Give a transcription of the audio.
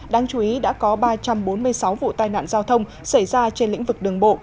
đáng chú ý đã có ba trăm bốn mươi sáu vụ tai nạn giao thông xảy ra trên lĩnh vực đường bộ